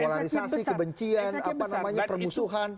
polarisasi kebencian apa namanya permusuhan